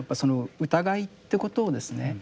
疑いってことをですね